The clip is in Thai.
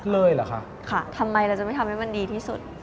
เลยเหรอคะค่ะทำไมเราจะไม่ทำให้มันดีที่สุด